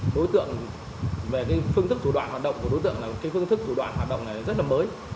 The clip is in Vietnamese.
về phương thức thủ đoạn hoạt động của đối tượng phương thức thủ đoạn hoạt động này rất là mới